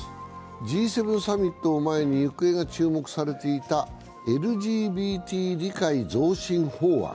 Ｇ７サミットを前に行方が注目されていたＬＧＢＴ理解増進法案。